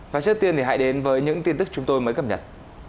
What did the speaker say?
và trước tiên thì hãy đến với những tin tức chúng tôi mới cập nhật